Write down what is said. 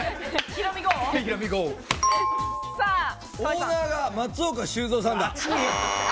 オーナーが松岡修造さんだ。